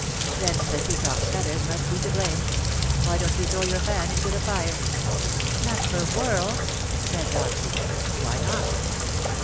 '^ Then the peacocks^ feathers must he to hlame. Why don^t you throw your fan into the fire V^ " Not for worlds," said Dopsy, *' Why not